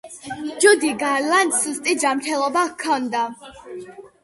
ჯუდი გარლანდს სუსტი ჯანმრთელობა ჰქონდა.